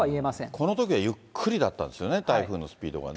このときはゆっくりだったんですよね、台風のスピードがね。